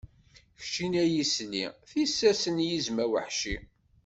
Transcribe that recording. Keččini ay isli, tissas n yizem aweḥci.